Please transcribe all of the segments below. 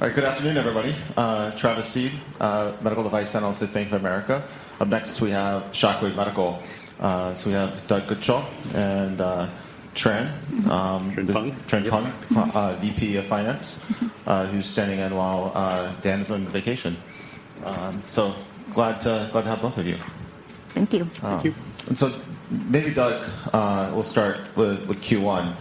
All right. Good afternoon, everybody. Travis Steed, Medical Device Analyst at Bank of America. Up next we have Shockwave Medical. We have Doug Godshall and Trinh Phung. Trinh Phung, VP of Finance, who's standing in while Dan is on vacation. Glad to have both of you. Thank you. Thank you. Maybe Doug, we'll start with Q1.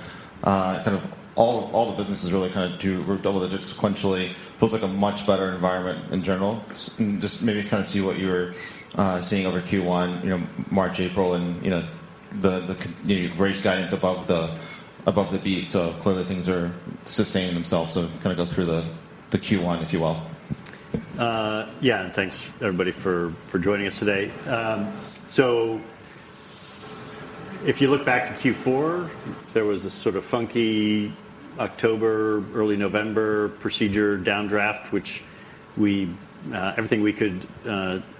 Kind of all the businesses really kinda do double digits sequentially. Feels like a much better environment in general. Just maybe kinda see what you're seeing over Q1, you know, March, April, and, you know, the you know, you've raised guidance above the, above the beat, so clearly things are sustaining themselves. Kinda go through the Q1, if you will. Thanks everybody for joining us today. If you look back to Q4, there was this sort of funky October, early November procedure downdraft, which we, everything we could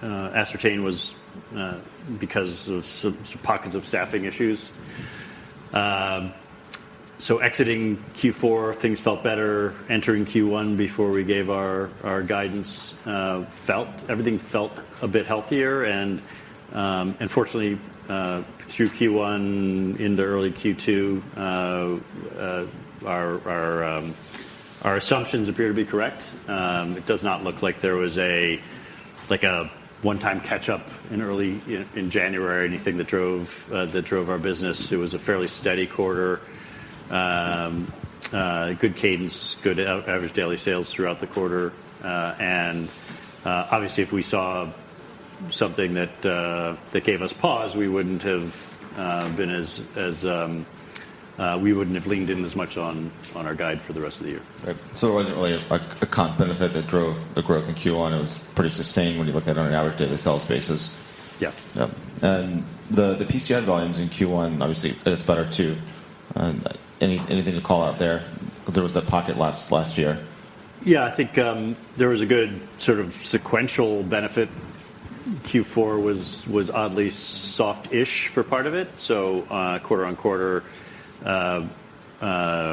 ascertain was because of pockets of staffing issues. Exiting Q4, things felt better. Entering Q1 before we gave our guidance, everything felt a bit healthier. Fortunately, through Q1 into early Q2, our assumptions appear to be correct. It does not look like there was a, like a one-time catch-up in early, in January or anything that drove our business. It was a fairly steady quarter. Good cadence, good average daily sales throughout the quarter. Obviously, if we saw something that gave us pause, we wouldn't have been as, we wouldn't have leaned in as much on our guide for the rest of the year. Right. It wasn't really a con benefit that drove the growth in Q1. It was pretty sustained when you look at it on an average daily sales basis. The PCI volumes in Q1, obviously that's better too. anything to call out there? there was that pocket last year. I think there was a good sort of sequential benefit. Q4 was oddly soft-ish for part of it. Quarter on quarter,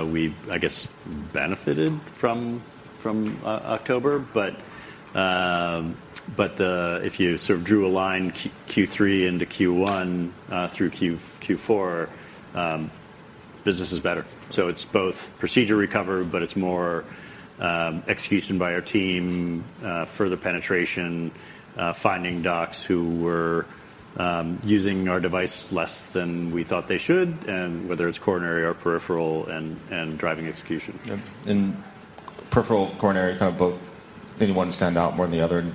we, I guess, benefited from October. If you sort of drew a line Q3 into Q1 through Q4, business is better. It's both procedure recovery, but it's more execution by our team, further penetration, finding docs who were using our device less than we thought they should, and whether it's coronary or peripheral and driving execution. Peripheral, coronary, kind of both. Did one stand out more than the other?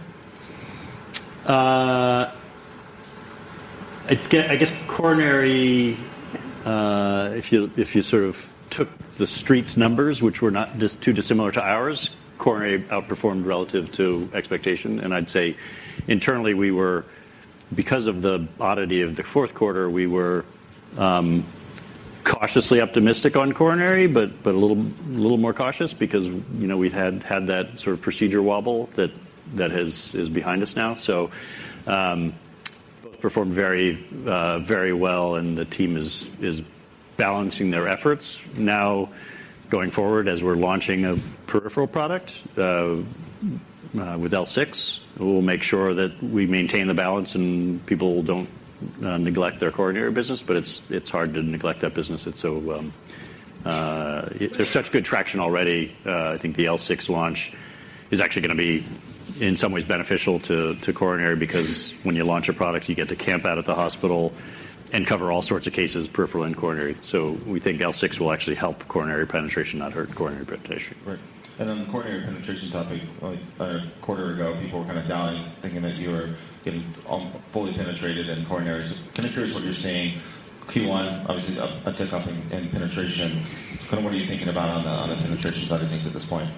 I guess coronary, if you sort of took the Street's numbers, which were not too dissimilar to ours, coronary outperformed relative to expectation. I'd say internally because of the oddity of the fourth quarter, we were cautiously optimistic on coronary, but a little more cautious because, you know, we'd had that sort of procedure wobble that has, is behind us now. Both performed very well and the team is balancing their efforts now going forward as we're launching a peripheral product with L6. We'll make sure that we maintain the balance and people don't neglect their coronary business. It's hard to neglect that business. It's so. There's such good traction already. I think the L6 launch is actually gonna be in some ways beneficial to coronary because when you launch a product, you get to camp out at the hospital and cover all sorts of cases, peripheral and coronary. We think L6 will actually help coronary penetration, not hurt coronary penetration. Right. On the coronary penetration topic, like a quarter ago, people were kind of doubting, thinking that you were getting fully penetrated in coronaries. Kinda curious what you're seeing Q1, obviously a tick-up in penetration. Kinda what are you thinking about on the, on the penetration side of things at this point?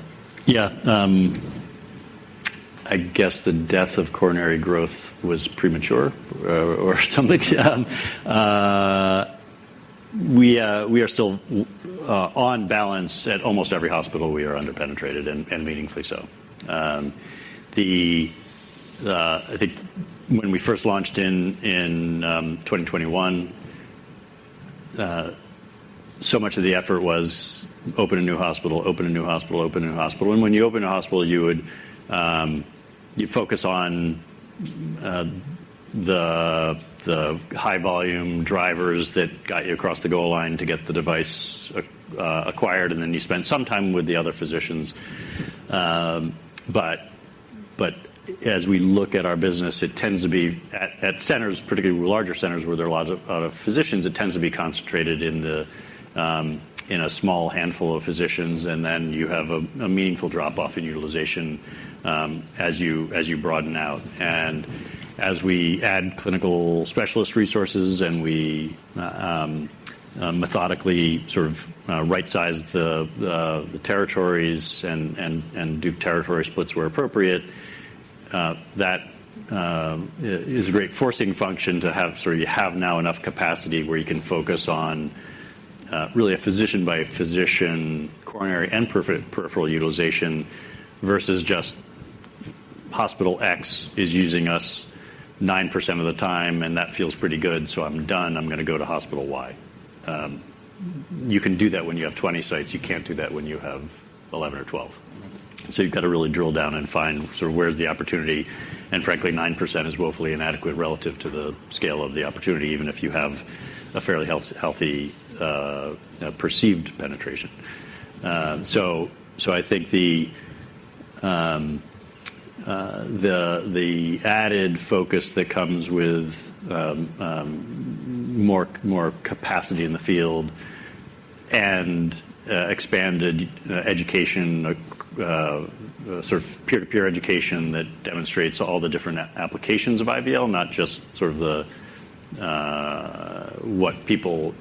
I guess the death of coronary growth was premature or something. We are still on balance at almost every hospital we are under-penetrated and meaningfully so. The I think when we first launched in 2021, so much of the effort was open a new hospital, open a new hospital, open a new hospital. When you open a hospital, you would focus on the high volume drivers that got you across the goal line to get the device acquired, you spend some time with the other physicians. But as we look at our business, it tends to be at centers, particularly larger centers where there are lots of physicians, it tends to be concentrated in the, in a small handful of physicians. Then you have a meaningful drop-off in utilization, as you broaden out. As we add clinical specialist resources and we methodically sort of right-size the territories and do territory splits where appropriate, that is a great forcing function to have, so you have now enough capacity where you can focus on, really a physician by physician coronary and peripheral utilization versus Hospital X is using us 9% of the time, and that feels pretty good. I'm done. I'm gonna go to hospital Y. You can do that when you have 20 sites. You can't do that when you have 11 or 12. You've got to really drill down and find sort of where's the opportunity, and frankly, 9% is woefully inadequate relative to the scale of the opportunity, even if you have a fairly healthy perceived penetration. I think the the added focus that comes with more capacity in the field and expanded education sort of peer-to-peer education that demonstrates all the different applications of IVL, not just sort of the what people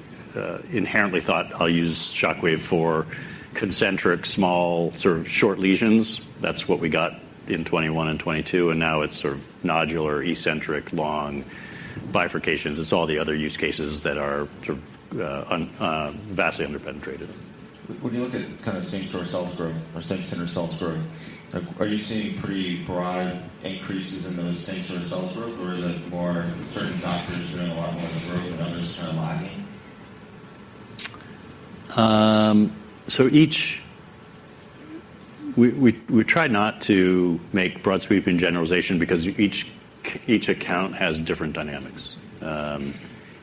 inherently thought I'll use Shockwave for concentric, small, sort of short lesions. That's what we got in 2021 and 2022, and now it's sort of nodular, eccentric, long bifurcations. It's all the other use cases that are sort of, vastly under-penetrated. When you look at kind of same-store sales growth or same-center sales growth, are you seeing pretty broad increases in those same-store sales growth, or is it more certain doctors doing a lot more of the growth and others kind of lagging? We try not to make broad sweeping generalization because each account has different dynamics.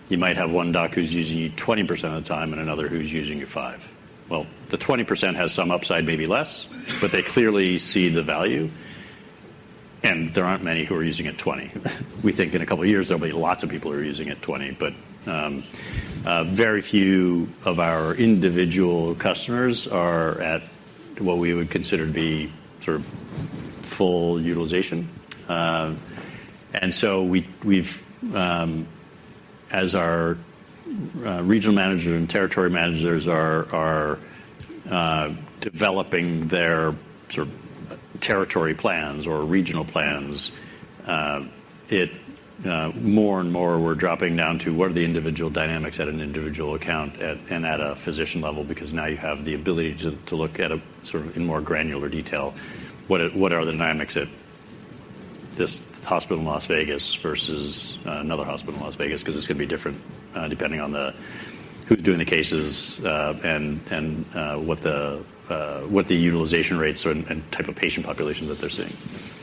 You might have one doc who's using you 20% of the time and another who's using you 5%. Well, the 20% has some upside, maybe less, but they clearly see the value, and there aren't many who are using it 20%. We think in a couple of years, there'll be lots of people who are using it 20%. Very few of our individual customers are at what we would consider to be sort of full utilization. We, we've, as our regional manager and territory managers are developing their sort of territory plans or regional plans, it, more and more we're dropping down to what are the individual dynamics at an individual account at, and at a physician level because now you have the ability to look at a sort of in more granular detail. What are the dynamics at this hospital in Las Vegas versus another hospital in Las Vegas 'cause it's gonna be different, depending on who's doing the cases, and what the utilization rates are and type of patient population that they're seeing. That's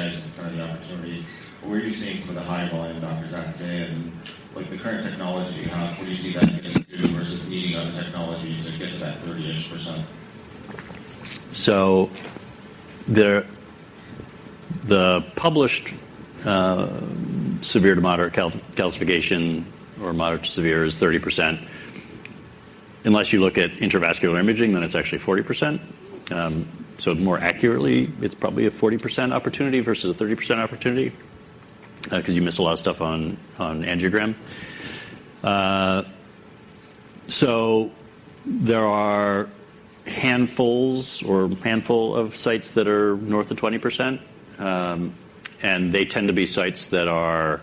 helpful. When you think about kind of the penetration, you talked about 30% of PCIs is kind of the opportunity, but where are you seeing some of the high volume doctors out there and what the current technology have? Where do you see that getting to versus needing other technology to get to that 30-ish%? The, the published, severe to moderate calcification or moderate to severe is 30%. Unless you look at intravascular imaging, then it's actually 40%. More accurately, it's probably a 40% opportunity versus a 30% opportunity, 'cause you miss a lot of stuff on angiogram. There are handfuls or handful of sites that are north of 20%, and they tend to be sites that are,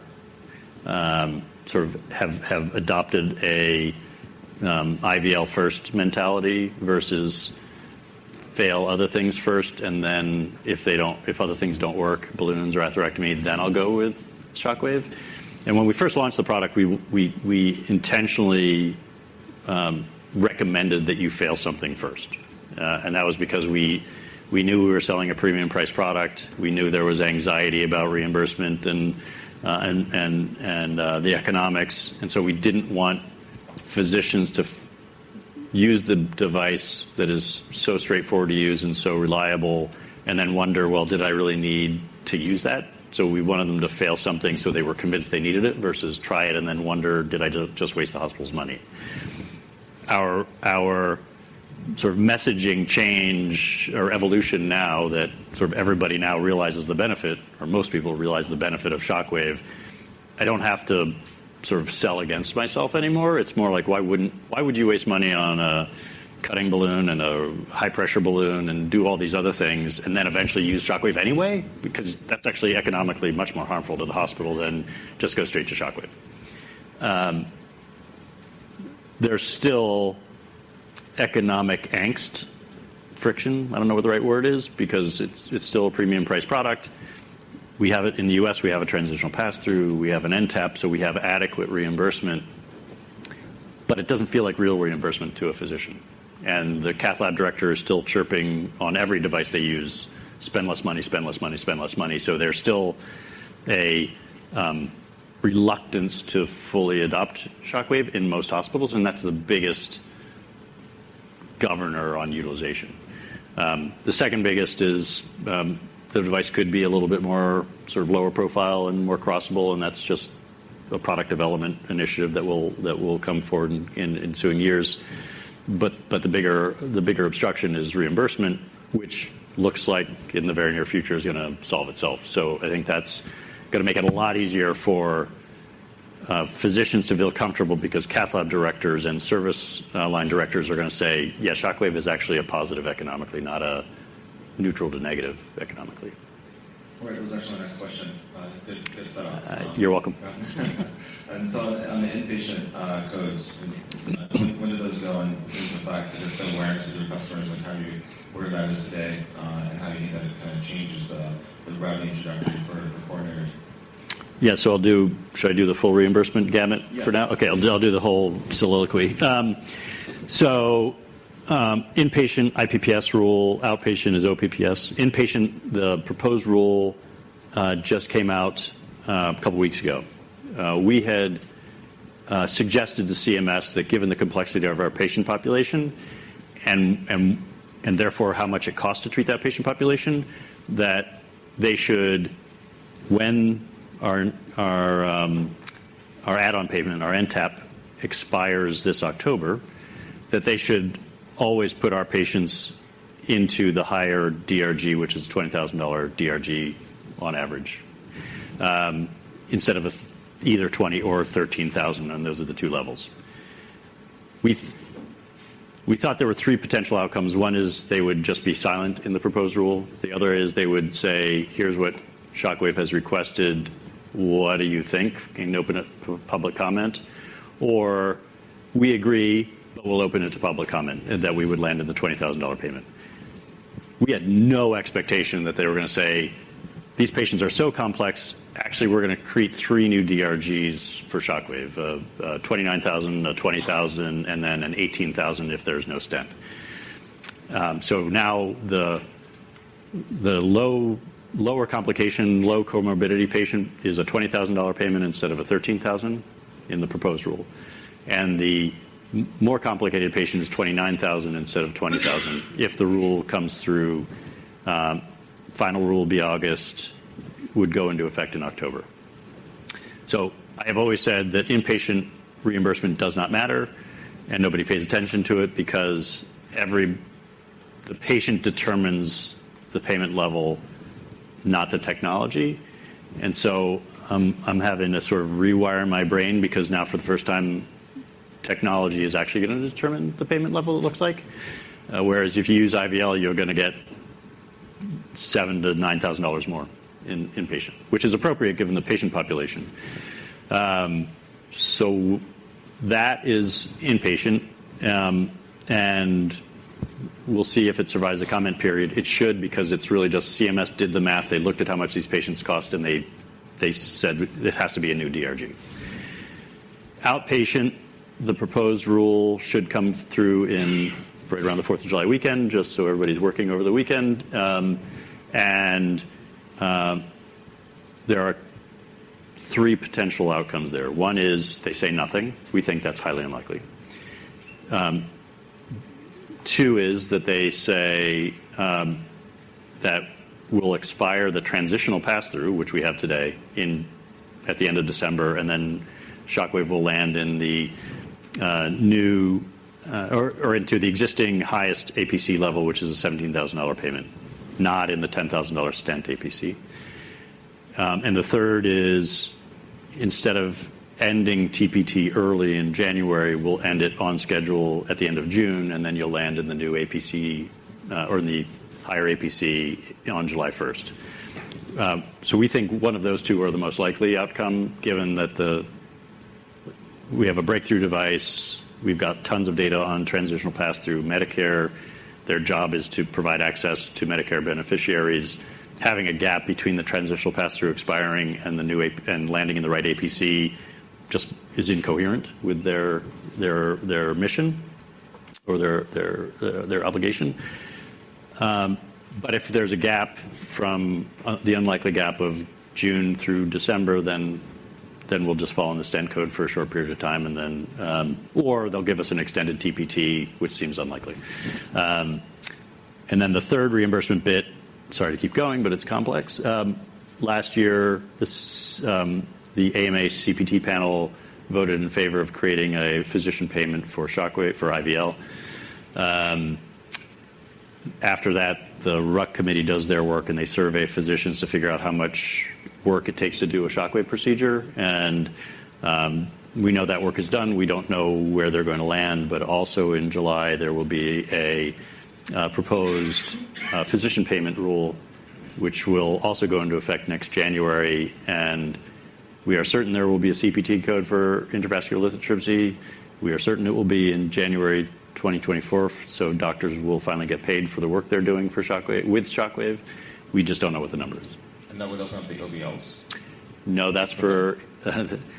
sort of have adopted a, IVL first mentality versus fail other things first, and then if other things don't work, balloons or atherectomy, then I'll go with Shockwave. When we first launched the product, we intentionally recommended that you fail something first. That was because we knew we were selling a premium price product. We knew there was anxiety about reimbursement and the economics. We didn't want physicians to use the device that is so straightforward to use and so reliable and then wonder, "Well, did I really need to use that?" We wanted them to fail something, so they were convinced they needed it versus try it and then wonder, "Did I just waste the hospital's money?" Our sort of messaging change or evolution now that sort of everybody now realizes the benefit or most people realize the benefit of Shockwave, I don't have to sort of sell against myself anymore. It's more like, why would you waste money on a cutting balloon and a high-pressure balloon and do all these other things and then eventually use Shockwave anyway? That's actually economically much more harmful to the hospital than just go straight to Shockwave. There's still economic angst, friction, I don't know what the right word is, because it's still a premium price product. We have it in the U.S., we have a transitional pass-through, we have an NTAP, so we have adequate reimbursement, but it doesn't feel like real reimbursement to a physician. The cath lab director is still chirping on every device they use, "Spend less money, spend less money, spend less money." There's still a reluctance to fully adopt Shockwave in most hospitals, and that's the biggest governor on utilization. The second biggest is, the device could be a little bit more sort of lower profile and more crossable, and that's just a product development initiative that will, that will come forward in ensuing years. The bigger obstruction is reimbursement, which looks like in the very near future is gonna solve itself. I think that's gonna make it a lot easier for physicians to feel comfortable because cath lab directors and service line directors are gonna say, ", Shockwave is actually a positive economically, not a neutral to negative economically. Right. That was actually my next question. Good set up. You're welcome. On the inpatient, codes, when do those go in terms of the fact that there's been awareness with your customers, like where that is today, and how do you think that kind of changes the routing trajectory for coronaries? Should I do the full reimbursement gamut for now? Okay. I'll do the whole soliloquy. Inpatient IPPS rule, outpatient is OPPS. Inpatient, the proposed rule just came out a couple weeks ago. We had suggested to CMS that given the complexity of our patient population and therefore how much it costs to treat that patient population, that they should when our add-on payment and our NTAP expires this October, that they should always put our patients into the higher DRG, which is a $20,000 DRG on average, instead of either $20,000 or $13,000, and those are the two levels. We thought there were three potential outcomes. One is they would just be silent in the proposed rule. The other is they would say, "Here's what Shockwave has requested. What do you think?" And open it for public comment. We agree, but we'll open it to public comment," and that we would land in the $20,000 payment. We had no expectation that they were gonna say, "These patients are so complex, actually, we're gonna create three new DRGs for Shockwave, $29,000, a $20,000, and then an $18,000 if there's no stent." Now the lower complication, low comorbidity patient is a $20,000 payment instead of a $13,000 in the proposed rule. The more complicated patient is $29,000 instead of $20,000 if the rule comes through. Final rule will be August. Would go into effect in October. I have always said that inpatient reimbursement does not matter, and nobody pays attention to it because the patient determines the payment level, not the technology. I'm having to sort of rewire my brain because now, for the first time, technology is actually gonna determine the payment level it looks like. Whereas if you use IVL, you're gonna get $7,000-$9,000 more in inpatient, which is appropriate given the patient population. So that is inpatient. And we'll see if it survives the comment period. It should because it's really just CMS did the math. They looked at how much these patients cost, and they said it has to be a new DRG. Outpatient, the proposed rule should come through in right around the Fourth of July weekend, just so everybody's working over the weekend. There are three potential outcomes there. One is they say nothing. We think that's highly unlikely. Two is that they say that we'll expire the transitional pass-through, which we have today at the end of December, and then Shockwave will land in the new or into the existing highest APC level, which is a $17,000 payment, not in the $10,000 stent APC. The third is instead of ending TPT early in January, we'll end it on schedule at the end of June, and then you'll land in the new APC or the higher APC on July first. We think one of those two are the most likely outcome, given that we have a Breakthrough Device. We've got tons of data on transitional pass-through Medicare. Their job is to provide access to Medicare beneficiaries. Having a gap between the transitional pass-through expiring and landing in the right APC just is incoherent with their, their mission or their, their obligation. If there's a gap from the unlikely gap of June through December, then we'll just fall in the stent code for a short period of time. They'll give us an extended TPT, which seems unlikely. The third reimbursement bit, sorry to keep going, but it's complex. Last year, this, the AMA CPT panel voted in favor of creating a physician payment for Shockwave for IVL. After that, the RUC committee does their work, and they survey physicians to figure out how much work it takes to do a Shockwave procedure. We know that work is done. We don't know where they're gonna land. Also in July, there will be a proposed physician payment rule, which will also go into effect next January. We are certain there will be a CPT code for intravascular lithotripsy. We are certain it will be in January 2024. Doctors will finally get paid for the work they're doing with Shockwave. We just don't know what the number is. That would open up the OBLs? No, that's. Okay.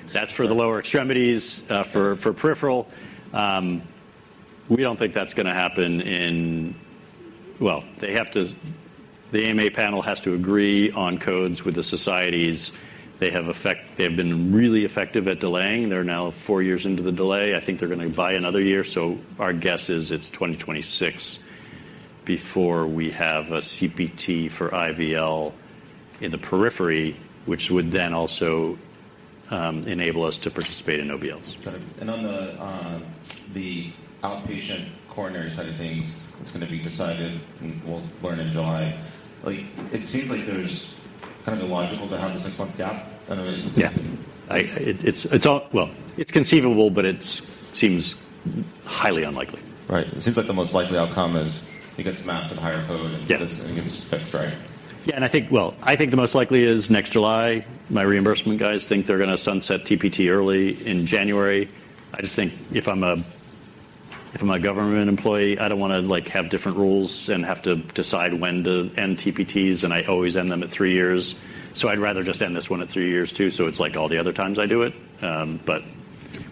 That's for the lower extremities, for peripheral. We don't think that's gonna happen in. Well, the AMA panel has to agree on codes with the societies. They've been really effective at delaying. They're now 4 years into the delay. I think they're gonna buy another year. Our guess is it's 2026 before we have a CPT for IVL in the periphery, which would then also enable us to participate in OBLs. Got it. On the outpatient coronary side of things, it's gonna be decided, and we'll learn in July. Like, it seems like there's kind of illogical to have this month gap. I know that you. Well, it's conceivable, but it's, seems highly unlikely. Right. It seems like the most likely outcome is it gets mapped to the higher code gets fixed, right? . I think, well, I think the most likely is next July. My reimbursement guys think they're gonna sunset TPT early in January. I just think if I'm a, if I'm a government employee, I don't wanna like have different rules and have to decide when to end TPTs, and I always end them at three years. I'd rather just end this one at three years too, so it's like all the other times I do it.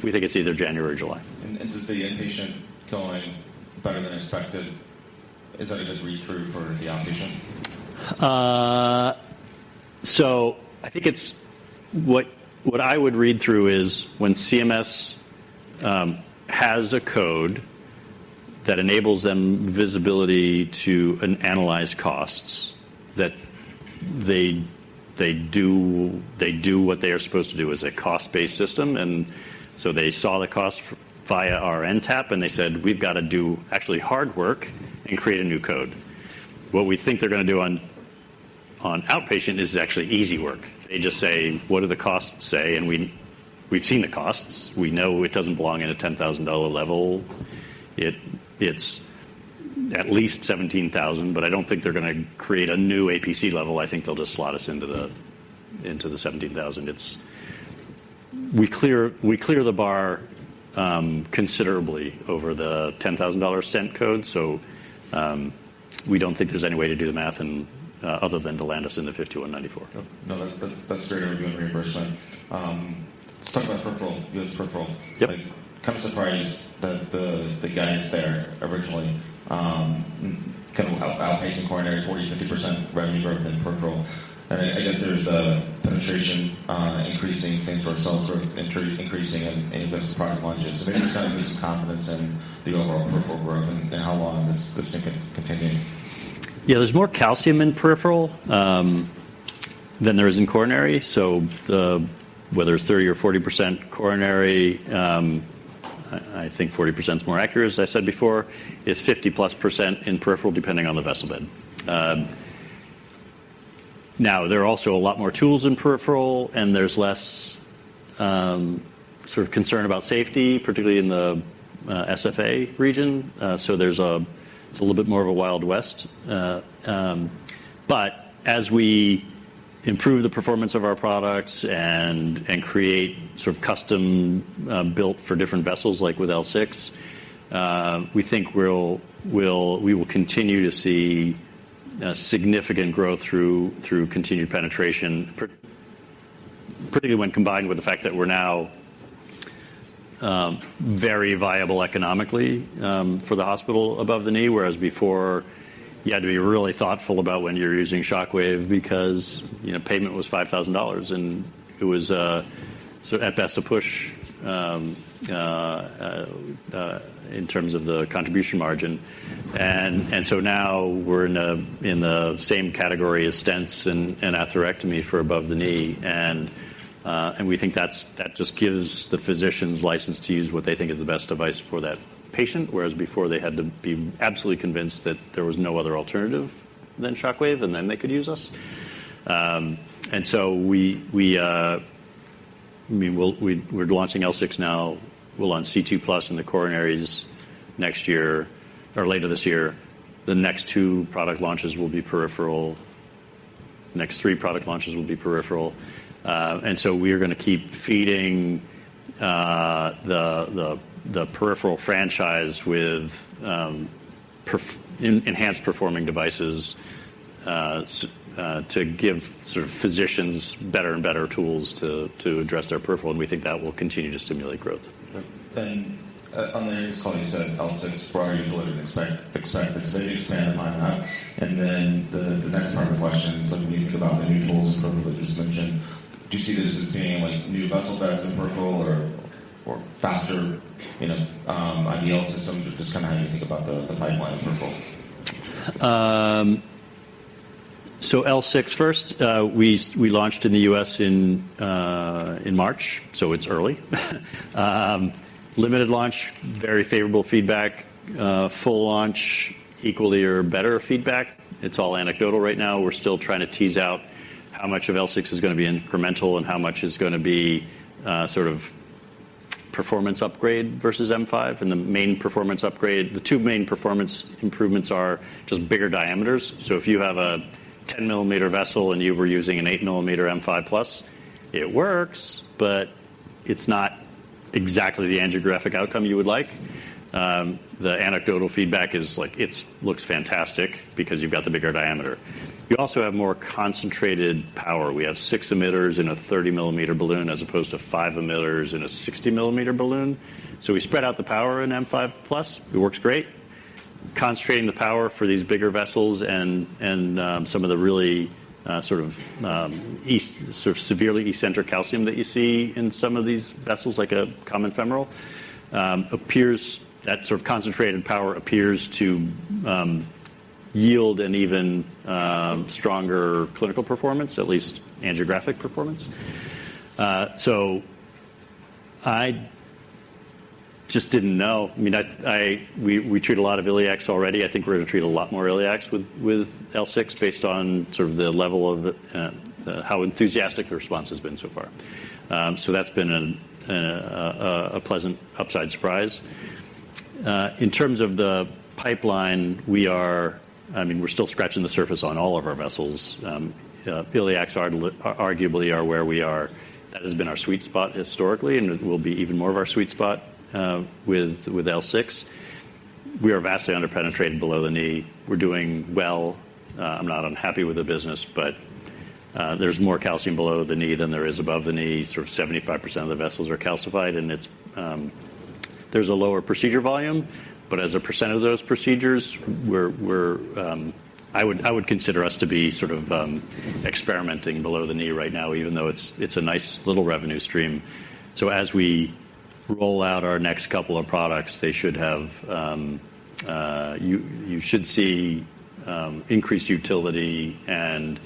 We think it's either January or July. Does the inpatient going better than expected, is that a good read-through for the outpatient? What I would read through is when CMS has a code that enables them visibility to an analyzed costs, that they do what they are supposed to do as a cost-based system. They saw the cost via our NTAP, and they said, "We've gotta do actually hard work and create a new code." What we think they're gonna do on outpatient is actually easy work. They just say, "What do the costs say?" We've seen the costs. We know it doesn't belong at a $10,000 level. It's at least $17,000, but I don't think they're gonna create a new APC level. I think they'll just slot us into the $17,000. We clear the bar considerably over the $10,000 stent code. We don't think there's any way to do the math and other than to land us in the 5194. No, that's very good reimbursement. Let's talk about peripheral, U.S. peripheral. Like, kind of surprised that the guidance there originally, kind of outpacing coronary 40%, 50% revenue growth in peripheral. I guess there's penetration increasing, same for itself sort of increasing in those product launches. Maybe just kind of give me some confidence in the overall peripheral growth and how long this can continue. There's more calcium in peripheral than there is in coronary. Whether it's 30% or 40% coronary, I think 40%'s more accurate, as I said before. It's 50+% in peripheral, depending on the vessel bed. Now, there are also a lot more tools in peripheral, and there's less sort of concern about safety, particularly in the SFA region. It's a little bit more of a Wild West. As we improve the performance of our products and create sort of custom built for different vessels, like with L6, we think we will continue to see significant growth through continued penetration, particularly when combined with the fact that we're now very viable economically for the hospital above the knee. Whereas before, you had to be really thoughtful about when you're using Shockwave because, you know, payment was $5,000, and it was, sort of at best a push, in terms of the contribution margin. So now we're in the same category as stents and atherectomy for above the knee. We think that's, that just gives the physicians license to use what they think is the best device for that patient. Whereas before they had to be absolutely convinced that there was no other alternative than Shockwave, and then they could use us. So we, I mean, we're launching L6 now. We'll launch C2+ in the coronaries next year or later this year. The next two product launches will be peripheral. The next three product launches will be peripheral. We are gonna keep feeding the peripheral franchise with enhanced performing devices, to give sort of physicians better and better tools to address their peripheral, and we think that will continue to stimulate growth. Okay. On the eighth call, you said L6 broader than you believed and expected. Have you expanded on that? The next part of the question, when you think about the new tools in peripheral that you just mentioned, do you see this as being like new vessel beds in peripheral or faster, you know, ideal systems or just kinda how you think about the pipeline in peripheral? L6 first, we launched in the U.S. in March, so it's early. Limited launch, very favorable feedback. Full launch, equally or better feedback. It's all anecdotal right now. We're still trying to tease out how much of L6 is gonna be incremental and how much is gonna be sort of performance upgrade versus M5. The main performance upgrade. The two main performance improvements are just bigger diameters. If you have a 10-millimeter vessel and you were using an eight-millimeter M5+, it works, but it's not exactly the angiographic outcome you would like. The anecdotal feedback is like it looks fantastic because you've got the bigger diameter. You also have more concentrated power. We have six emitters in a 30-millimeter balloon as opposed to five emitters in a 60-millimeter balloon. We spread out the power in M5+. It works great. Concentrating the power for these bigger vessels and some of the really severely eccentric calcium that you see in some of these vessels, like a common femoral, that sort of concentrated power appears to yield an even stronger clinical performance, at least angiographic performance. Just didn't know. I mean, we treat a lot of iliacs already. I think we're gonna treat a lot more iliacs with L6 based on sort of the level of how enthusiastic the response has been so far. That's been a pleasant upside surprise. In terms of the pipeline, I mean, we're still scratching the surface on all of our vessels. Iliacs arguably are where we are. That has been our sweet spot historically, and it will be even more of our sweet spot with L6. We are vastly under-penetrated below the knee. We're doing well. I'm not unhappy with the business, but there's more calcium below the knee than there is above the knee. Sort of 75% of the vessels are calcified, and it's there's a lower procedure volume, but as a percent of those procedures we're I would consider us to be sort of experimenting below the knee right now even though it's a nice little revenue stream. As we roll out our next couple of products, they should have. You should see increased utility and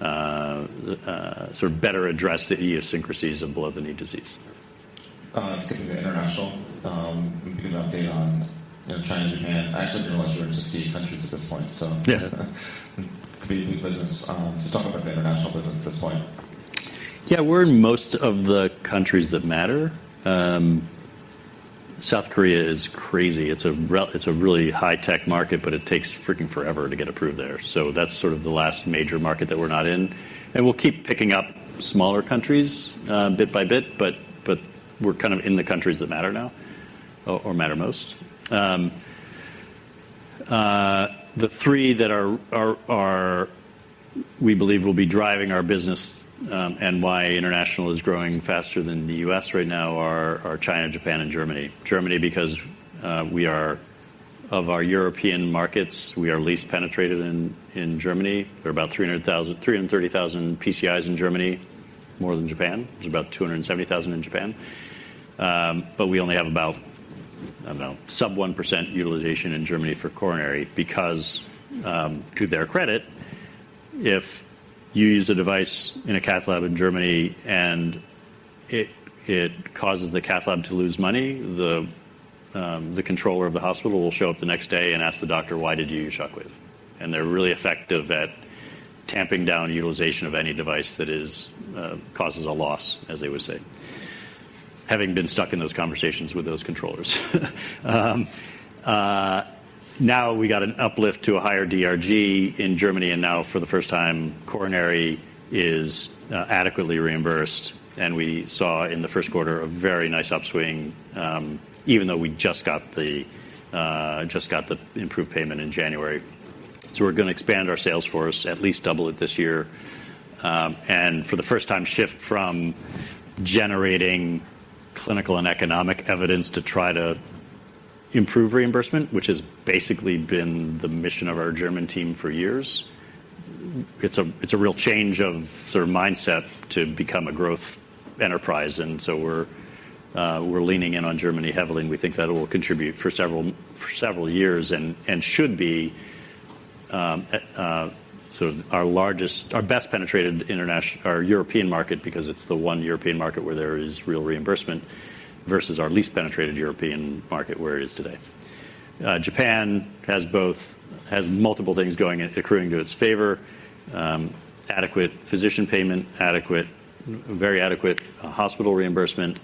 sort of better address the idiosyncrasies of below-the-knee disease. Skipping to international. Can you give an update on, you know, China and Japan? I actually didn't realize you were in 60 countries at this point. Could be a new business. Talk about the international business at this point. We're in most of the countries that matter. South Korea is crazy. It's a really high-tech market, but it takes freaking forever to get approved there. That's sort of the last major market that we're not in, and we'll keep picking up smaller countries bit by bit, but we're kind of in the countries that matter now or matter most. The three that are we believe will be driving our business, and why international is growing faster than the U.S. right now are China, Japan, and Germany. Germany because Of our European markets, we are least penetrated in Germany. There are about 300,000, 330,000 PCIs in Germany, more than Japan. There's about 270,000 in Japan. We only have about, I don't know, sub 1% utilization in Germany for coronary because, to their credit, if you use a device in a cath lab in Germany and it causes the cath lab to lose money, the controller of the hospital will show up the next day and ask the doctor, "Why did you use Shockwave?" They're really effective at tamping down utilization of any device that causes a loss, as they would say, having been stuck in those conversations with those controllers. Now we got an uplift to a higher DRG in Germany, now for the first time, coronary is adequately reimbursed. We saw in the first quarter a very nice upswing, even though we just got the improved payment in January. We're going to expand our sales force, at least double it this year, and for the first time shift from generating clinical and economic evidence to try to improve reimbursement, which has basically been the mission of our German team for years. It's a real change of sort of mindset to become a growth enterprise, we're leaning in on Germany heavily, and we think that will contribute for several years and should be sort of our largest, our best penetrated European market because it's the one European market where there is real reimbursement versus our least penetrated European market where it is today. Japan has multiple things going, accruing to its favor. Adequate physician payment, very adequate hospital reimbursement.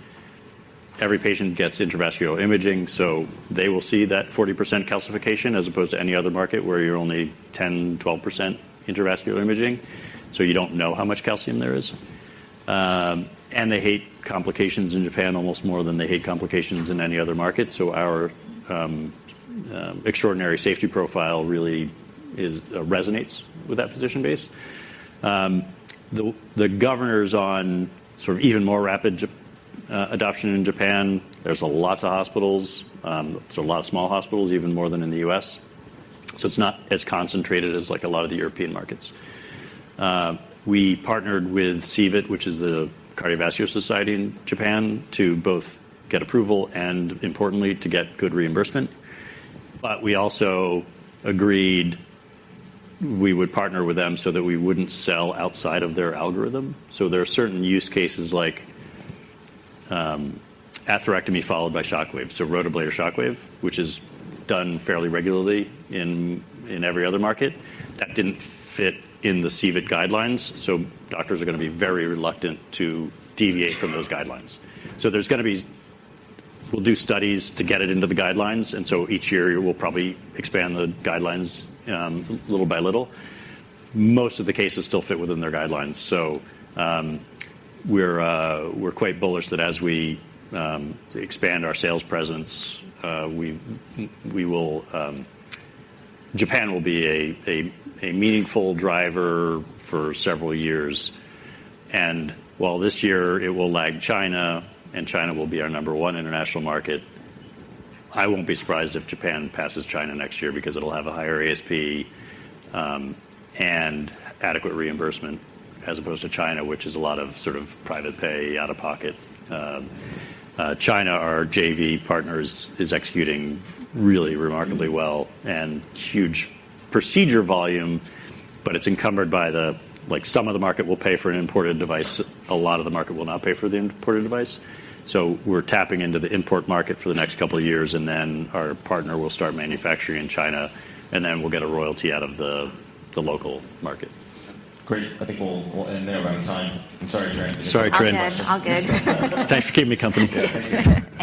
Every patient gets intravascular imaging, so they will see that 40% calcification as opposed to any other market where you're only 10%, 12% intravascular imaging, so you don't know how much calcium there is. They hate complications in Japan almost more than they hate complications in any other market. Our extraordinary safety profile really resonates with that physician base. The governors on sort of even more rapid adoption in Japan, there's a lot of hospitals, so a lot of small hospitals, even more than in the U.S. It's not as concentrated as like a lot of the European markets. We partnered with CVIT, which is the cardiovascular society in Japan, to both get approval and importantly to get good reimbursement. We also agreed we would partner with them so that we wouldn't sell outside of their algorithm. There are certain use cases like atherectomy followed by Shockwave, so Rotablation Shockwave, which is done fairly regularly in every other market. That didn't fit in the CVIT guidelines, so doctors are gonna be very reluctant to deviate from those guidelines. We'll do studies to get it into the guidelines, and so each year we'll probably expand the guidelines little by little. Most of the cases still fit within their guidelines. We're quite bullish that as we expand our sales presence, Japan will be a meaningful driver for several years. While this year it will lag China and China will be our number 1 international market, I won't be surprised if Japan passes China next year because it'll have a higher ASP, and adequate reimbursement as opposed to China, which is a lot of sort of private pay out of pocket. China, our JV partners, is executing really remarkably well and huge procedure volume, but it's encumbered by the, like, some of the market will pay for an imported device, a lot of the market will not pay for the imported device. We're tapping into the import market for the next couple of years, and then our partner will start manufacturing in China, and then we'll get a royalty out of the local market. Great. I think we'll end there. We're out of time. I'm sorry, Trinh. Sorry, Trinh All good. All good. Thanks for keeping me company. Yes.